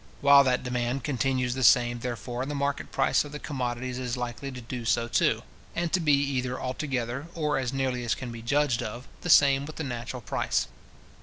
While that demand continues the same, therefore, the market price of the commodities is likely to do so too, and to be either altogether, or as nearly as can be judged of, the same with the natural price.